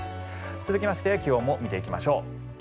続きまして気温も見ていきましょう。